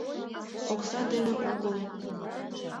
— Окса дене огыл.